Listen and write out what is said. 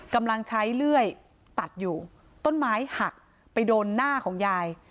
กำลังใช้เลื่อยตัดอยู่ต้นไม้หักไปโดนหน้าของยาย